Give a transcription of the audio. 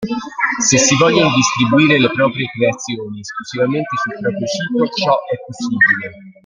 Se si vogliono distribuire le proprie creazioni esclusivamente sul proprio sito, ciò è possibile.